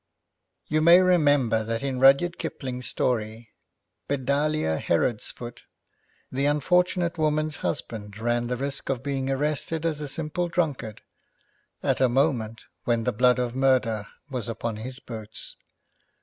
You may remember that in Rudyard Kipling's story, Bedalia Herodsfoot, the unfortunate woman's husband ran the risk of being arrested as a simple drunkard, at a moment when the blood of murder was upon his boots.